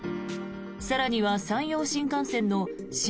更には山陽新幹線の新